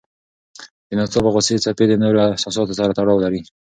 د ناڅاپه غوسې څپې د نورو احساساتو سره تړاو لري.